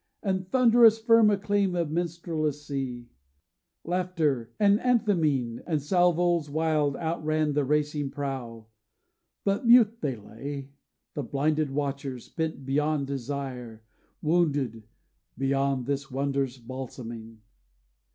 And thunderous firm acclaim of minstrelsy, Laughter, and antheming, and salvos wild Outran the racing prow. But mute they lay, The blinded watchers, spent beyond desire, Wounded beyond this wonder's balsaming.